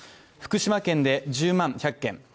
福島県で１０万１００軒